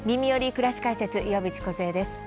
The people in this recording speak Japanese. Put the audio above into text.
くらし解説」岩渕梢です。